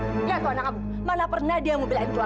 lihatlah anak anda mana pernah dia yang membeli keluarga